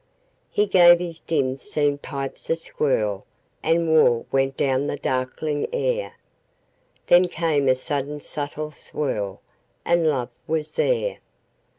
He gave his dim seen pipes a skirlAnd war went down the darkling air; Then came a sudden subtle swirl, And love was there.